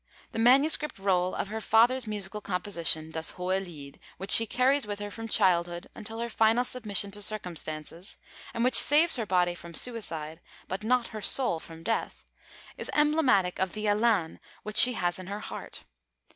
The manuscript roll of her father's musical composition, Das hohe Lied, which she carries with her from childhood until her final submission to circumstances, and which saves her body from suicide but not her soul from death, is emblematic of the élan which she has in her heart.